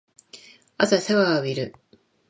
朝シャワーを浴びる